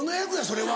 それは。